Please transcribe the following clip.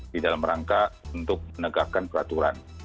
di dalam rangka untuk menegakkan peraturan